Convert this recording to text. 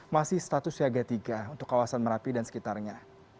masih statusnya agak tiga untuk kawasan merapi dan sekitarnya